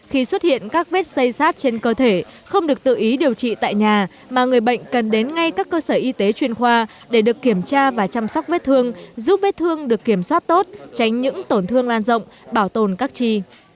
khi xuất hiện các vết xây sát trên cơ thể không được tự ý điều trị tại nhà mà người bệnh cần đến ngay các cơ sở y tế chuyên khoa để được kiểm tra và chăm sóc vết thương giúp vết thương được kiểm soát tốt tránh những tổn thương lan rộng bảo tồn các chi